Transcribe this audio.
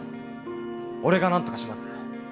俺がなんとかします！